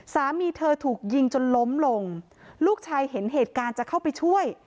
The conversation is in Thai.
สามีเธอถูกยิงจนล้มลงลูกชายเห็นเหตุการณ์จะเข้าไปช่วย